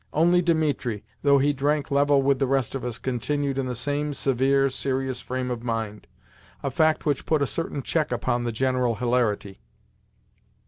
Only Dimitri, though he drank level with the rest of us, continued in the same severe, serious frame of mind a fact which put a certain check upon the general hilarity.